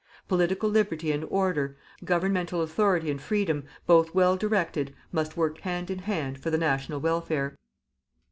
Political Liberty and Order, Governmental Authority and Freedom, both well directed, must work hand in hand for the national welfare.